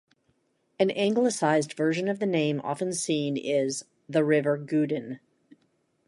An anglicized version of the name often seen is 'The River Guden'.